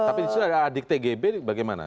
tapi itu adik tgp bagaimana